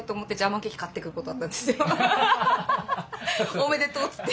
おめでとうつって。